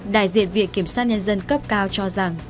đại diện viện kiểm sát nhân dân cấp cao cho rằng